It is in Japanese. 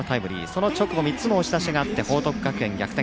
その直後３つの押し出しがあって報徳学園逆転。